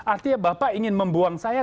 artinya bapak ingin membuang saya